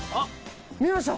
見えました。